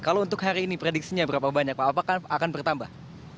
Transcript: kalau untuk hari ini prediksinya berapa banyak pak apakah akan bertambah